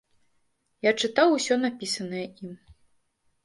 Я чытаў усё напісанае ім.